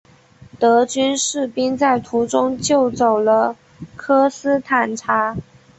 德军士兵在途中救走了科斯坦察。